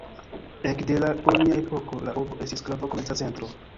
Ek de la kolonia epoko la urbo estis grava komerca centro.